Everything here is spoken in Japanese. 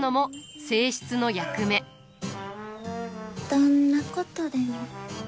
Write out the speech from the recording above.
どんなことでも。